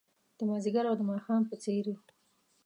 د مازدیګر او د ماښام په څیرې